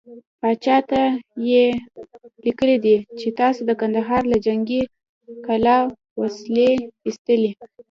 پاچا ته يې ليکلي دي چې تاسو د کندهار له جنګې کلا وسلې ايستلې.